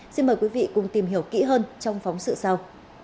xin mời quý vị cùng tìm hiểu kỹ hơn trong phóng sự sau